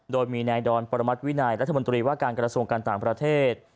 โดยมีนายดอนปรมัติวินัยรัฐมนตรีว่าการกระทรวงการต่างประเทศ